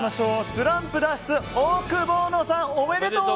スランプ脱出オオクボーノさんおめでとう！